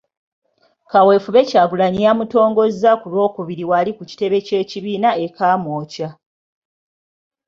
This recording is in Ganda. Kaweefube Kyagulanyi yamutongozza ku Lwokubiri wali ku kitebe ky’ekibiina e Kamwokya.